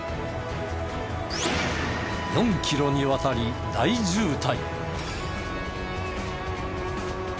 ４キロにわたり大渋滞。